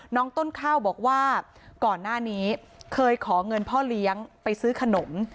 น้องต้นข้าวบอกว่าก่อนหน้านี้เคยขอเงินพ่อเลี้ยงไปซื้อขนม